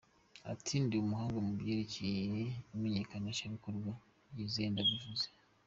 Ati “Ndi umuhanga mu byerekeye imenyekanisha bikorwa, byizere ndabivuze.